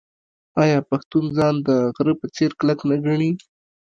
آیا پښتون ځان د غره په څیر کلک نه ګڼي؟